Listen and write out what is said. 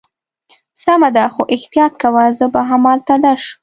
سمه ده، خو احتیاط کوه، زه به همالته درشم.